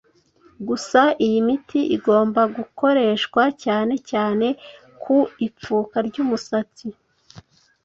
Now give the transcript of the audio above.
Gusa iyi miti igomba gukoreshwa cyane cyane ku ipfuka ry’umusatsi